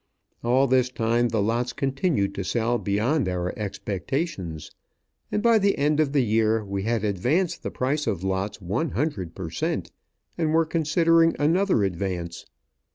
All this time the lots continued to sell beyond our expectations; and by the end of the year we had advanced the price of lots one hundred per cent., and were considering another advance.